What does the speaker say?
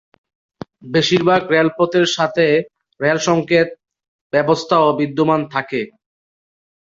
বেশিরভাগ রেলপথের সাথে রেল সংকেত ব্যবস্থাও বিদ্যমান থাকে।